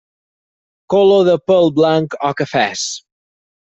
Color del pèl blanc o cafès.